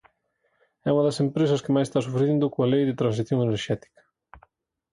É unha das empresas que máis está sufrindo coa Lei de Transición Enerxética.